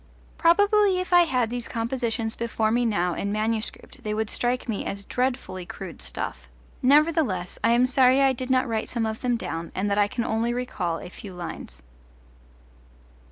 Probably if I had these compositions before me now in manuscript they would strike me as dreadfully crude stuff; nevertheless I am sorry I did not write some of them down and that I can only recall a few lines.